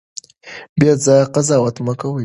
بې ځایه قضاوت مه کوئ.